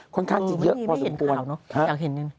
ค่อนข้างที่เยอะพอสมควรนะสมมติอยากเห็น